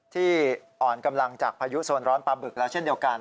ที่อ่อนกำลังจากพายุโซนร้อนปลาบึกแล้วเช่นเดียวกัน